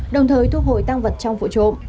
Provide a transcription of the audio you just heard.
đồng thời thu hồi tăng vật trong vụ trộm